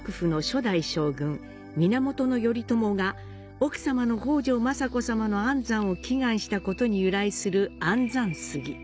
奥様の北条政子様の安産を祈願したことに由来する「安産杉」。